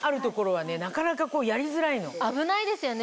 危ないですよね